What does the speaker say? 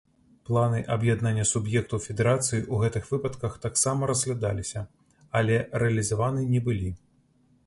Планы аб'яднання суб'ектаў федэрацыі ў гэтых выпадках таксама разглядаліся, але рэалізаваны не былі.